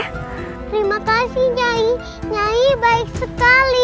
terima kasih nyai nyai baik sekali